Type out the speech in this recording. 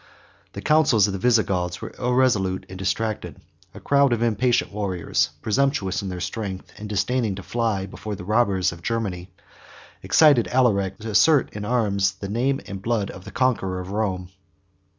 The counsels of the Visigoths were irresolute and distracted. A crowd of impatient warriors, presumptuous in their strength, and disdaining to fly before the robbers of Germany, excited Alaric to assert in arms the name and blood of the conquerors of Rome.